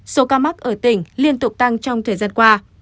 số ca mắc ở tỉnh liên tục tăng trong thời gian qua